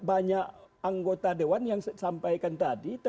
banyak anggota dewan yang disampaikan tadi